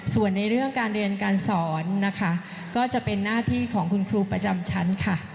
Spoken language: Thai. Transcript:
ส่วนในเรื่องการเรียนการสอนนะคะก็จะเป็นหน้าที่ของคุณครูประจำชั้นค่ะ